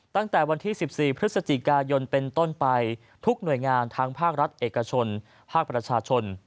ตั้งแต่วันที่๑๔พฤศจิกายนเป็นต้นไปทุกหน่วยงานทั้งภาครัฐเอกชนภาคประชาชน